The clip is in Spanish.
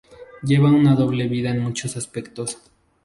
Lleva una doble vida en muchos aspectos.